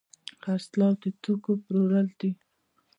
خرڅلاو د توکو پلورل دي.